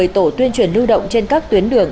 một mươi tổ tuyên truyền lưu động trên các tuyến đường